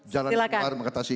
jalan keluar mengatasi ini